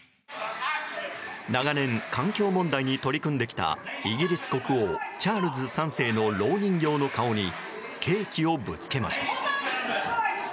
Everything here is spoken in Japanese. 長年、環境問題に取り組んできたイギリス国王チャールズ３世のろう人形の顔にケーキをぶつけました。